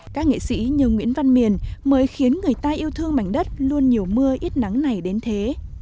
các nghệ sĩ như nguyễn văn miền mới khiến người ta yêu thương mảnh đất luôn nhiều mưa ít nắng này đến thế